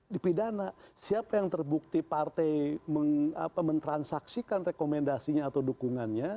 di pidana siapa yang terbukti partai mentransaksikan rekomendasinya atau dukungannya